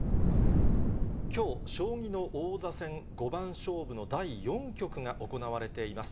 きょう、将棋の王座戦五番勝負の第４局が行われています。